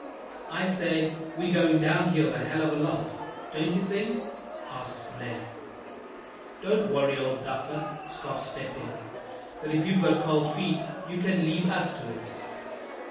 "I say, we're going downhill a hell of a lot, don't you think?" asks Blaire. "Don't worry, old duffer," scoffs Pepin, "but if you've got cold feet you can leave us to it."